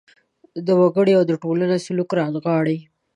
د وګړي او ټولنې سلوک رانغاړي.